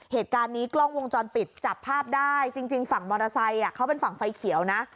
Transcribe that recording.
เหตุการณ์นี้กล้องวงจรปิดจับภาพได้จริงฝั่งมอเตอร์ไซค์เขาเป็นฝั่งไฟเขียวนะ